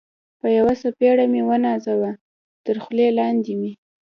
په یوه څپېړه مې و نازاوه، تر خولۍ لاندې مې.